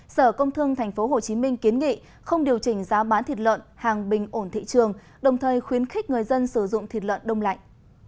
sở công thương tp hcm kiến nghị không điều chỉnh giá bán thịt lợn hàng bình ổn thị trường đồng thời khuyến khích người dân sử dụng thịt lợn đông lạnh